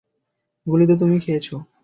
গুলি তো তুমি খেয়েছো।